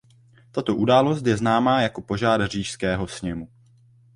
Tato událost je známá jako požár Říšského sněmu.